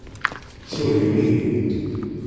Surgem-iyi!